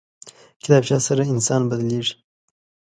کتابچه سره انسان بدلېږي